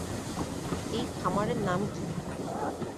এই খামারের নাম কী?